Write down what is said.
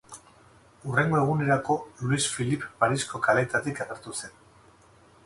Hurrengo egunerako Luis Filipe Parisko kaleetatik agertu zen.